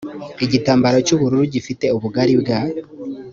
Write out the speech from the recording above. igitambaro cy’ubururu gifite ubugari bwa